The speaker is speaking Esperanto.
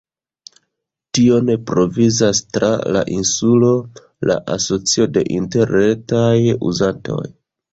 Tion provizas tra la insulo la Asocio de Interretaj Uzantoj.